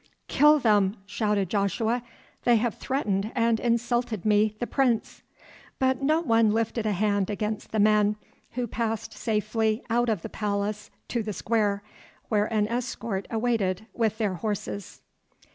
"Kill them!" shouted Joshua, "they have threatened and insulted me, the Prince!" But no one lifted a hand against the men, who passed safely out of the palace to the square, where an escort waited with their horses.